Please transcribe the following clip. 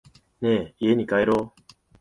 ねぇ、家に帰ろう。